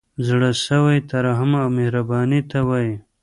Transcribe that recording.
زړه سوی ترحم او مهربانۍ ته وايي.